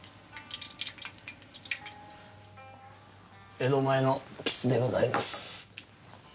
江戸前のきすでございます。